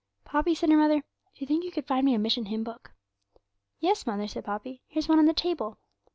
'Poppy,' said her mother, 'do you think you could find me a Mission Hymn book?' 'Yes, mother,' said Poppy; 'here's one on the table.'